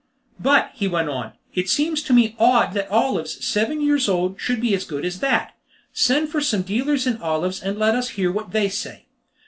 "But," he went on, "it seems to me odd that olives seven years old should be as good as that! Send for some dealers in olives, and let us hear what they say!"